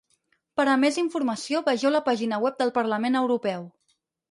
Per a més informació vegeu la pàgina web del Parlament Europeu.